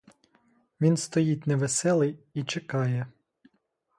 Він стоїть невеселий і чекає.